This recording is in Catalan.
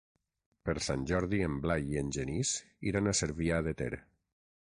Per Sant Jordi en Blai i en Genís iran a Cervià de Ter.